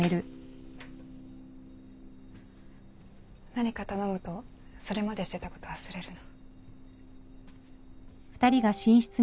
何か頼むとそれまでしてたこと忘れるの。